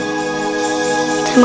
terima kasih pak man